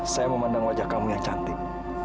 saya memandang wajah kamu yang cantik